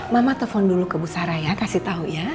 mama telepon dulu ke bu sarah ya kasih tau ya